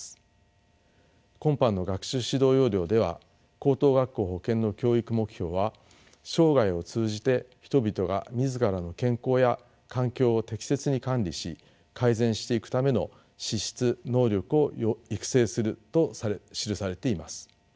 今般の学習指導要領では高等学校保健の教育目標は「生涯を通じて人々が自らの健康や環境を適切に管理し改善していくための資質能力を育成する」と記されています。